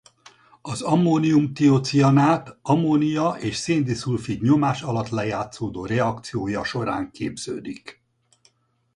Az ammónium-tiocianát ammónia és szén-diszulfid nyomás alatt lejátszódó reakciója során képződik.